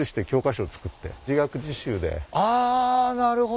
あなるほど。